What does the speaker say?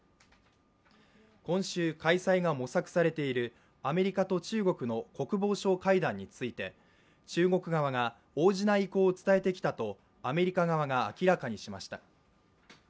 今週、開催が模索されているアメリカと中国の国防相会談について中国側が応じない意向を伝えてきたとアメリカ側が明らかにしました。